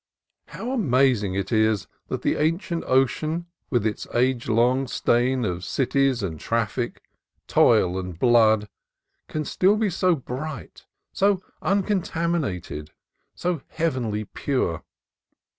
How amazing it is, that the ancient ocean, with its age long stain of cities and traffic, toil and blood, can still be so bright, so uncontaminated, so heavenly pure!